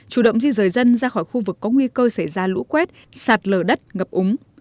chủ động di rời dân ra khỏi khu vực có nguy cơ xảy ra lũ quét sạt lở đất ngập úng